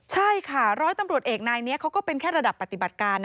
ใช่ค่ะร้อยตำรวจเอกนายนี้เขาก็เป็นแค่ระดับปฏิบัติการ